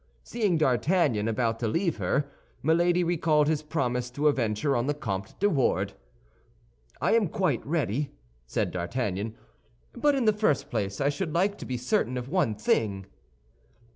Seeing D'Artagnan about to leave her, Milady recalled his promise to avenge her on the Comte de Wardes. "I am quite ready," said D'Artagnan; "but in the first place I should like to be certain of one thing."